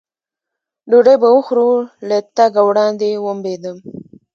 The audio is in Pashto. ډوډۍ به وخورو، له تګه وړاندې ومبېدم.